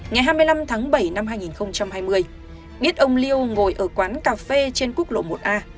ngày hai mươi năm tháng bảy năm hai nghìn hai mươi biết ông lưu ngồi ở quán cà phê trên quốc lộ một a